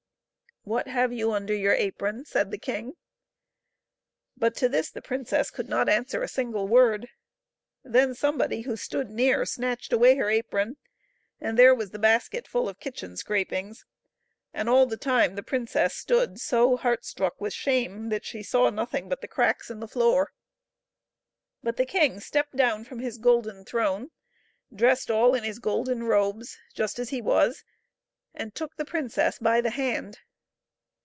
" What have you under your apron ? said the king. But to this the princess could not answer a single word. Then somebody who stood near snatched away her apron, and there was the basket full of kitchen scrapings, and all the time the princess stood so heart struck with shame that she saw nothing but the cracks in the floor. But the king stepped down from his golden throne dressed all in his J£lft ]D^tttce!90 baotoef^i^ef^oungQUng golden robes, just as he was, and took the princess by the hand.